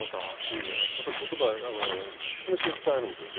うんやっぱり言葉気持ちが伝わるんですよ